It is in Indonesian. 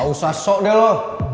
gak usah sok deh lo